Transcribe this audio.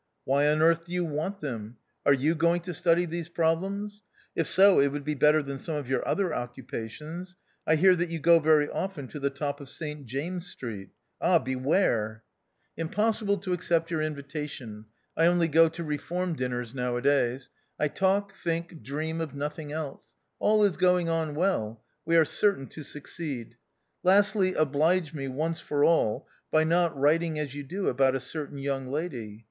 Why on earth do you want them ? Are you going to study these problems ? If so, it would be better than some of your other occupations. I hear that you go very often to the top of St. James Street. Ah, beware ! THE OUTCAST. 101 " Impossible to accept your invitation. I only go to Eeform dinners now a days. I talk, think, dream of nothing else. All is going on well : we are certain to succeed. " Lastly, oblige me, once for all, by not writing as you do about a certain young lady.